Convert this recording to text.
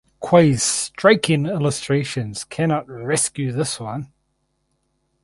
Quay’s striking illustrations cannot rescue this one.